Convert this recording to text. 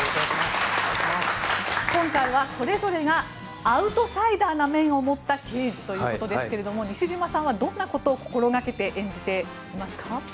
今回はそれぞれがアウトサイダーな面を持った刑事ということですが西島さんはどんなことを心掛けて演じていますか？